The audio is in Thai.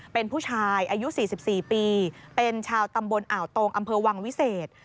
เป็นผู้ชายอายุ๔๔ปีเป็นชาวตำบลอ่าวตงอำเภอวังวิเศษ